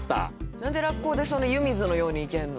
何でラッコで湯水のようにいけんの？